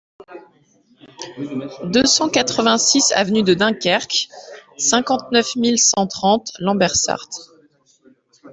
deux cent quatre-vingt-six avenue de Dunkerque, cinquante-neuf mille cent trente Lambersart